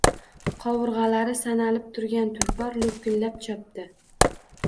Qovurgʼalari sanalib turgan «tulpor» loʼkillab chopdi.